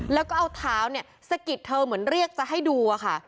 แล้วก็เอาเท้าเนี่ยสะกิดเธอเหมือนเรียกจะให้ดูอะค่ะ